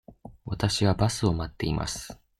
わたしはバスを待っています。